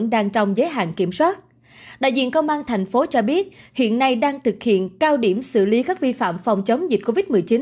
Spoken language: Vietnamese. đại diện công an thành phố cho biết hiện nay đang thực hiện cao điểm xử lý các vi phạm phòng chống dịch covid một mươi chín